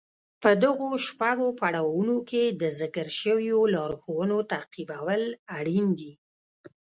په دغو شپږو پړاوونو کې د ذکر شويو لارښوونو تعقيبول اړين دي.